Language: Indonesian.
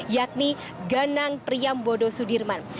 yakni genang priam bodo sudirman